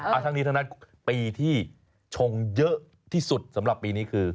ทั้งนี้ทั้งนั้นปีที่ชงเยอะที่สุดสำหรับปีนี้คือ